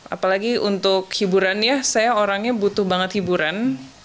apalagi untuk hiburan ya saya orangnya butuh banget hiburan